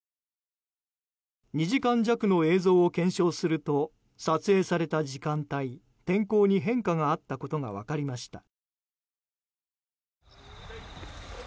２時間弱の映像を検証すると撮影された時間帯天候に変化があったことが分かりました。